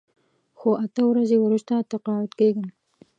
خو اته ورځې وروسته تقاعد کېږم.